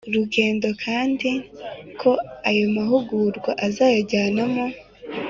rugendo kandi ko ayo mahugurwa azayajyanamo